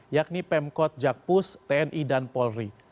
yakni pemkot jakpus tni dan polri